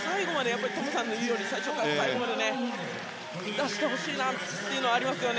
トムさんの言うように最初から最後まで出してほしいなというのはありますね。